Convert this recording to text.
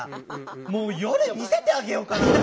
もう夜見せてあげようかなと。